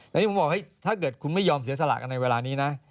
แต่ผมบอกว่าถ้าเกิดคุณไม่ยอมเสียสละกันในเวลานี้